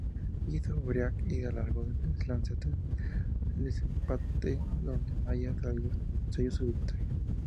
Hizo 'break' y alargó el desenlace hasta el desempate, donde Mayer selló su victoria.